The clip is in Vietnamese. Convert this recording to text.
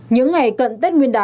những ngày cận tết nguyên đán